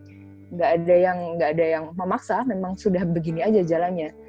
tidak ada yang memaksa memang sudah begini aja jalannya